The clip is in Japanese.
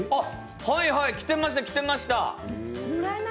はいはい、着てました、着てました。